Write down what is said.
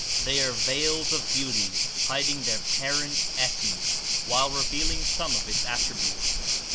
They are veils of beauty, hiding their parent, essence, while revealing some of its attributes.